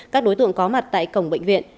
các đối tượng có mặt tại cổng bệnh viện